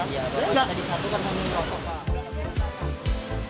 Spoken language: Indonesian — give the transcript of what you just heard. iya baru tadi satu kan sama nama nama nama